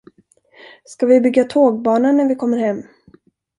Ska vi bygga tågbana när vi kommer hem?